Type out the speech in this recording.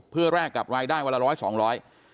เพื่อแลกกับรายได้วันละร้อยสองร้อย